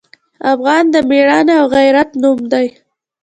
افغان د میړانې او غیرت نوم دی.